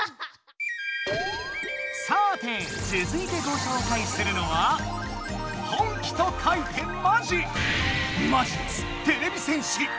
さてつづいてごしょうかいするのは「本気」と書いて「まじ」！